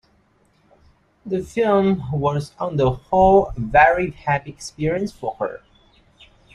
The film was on the whole a very happy experience for her.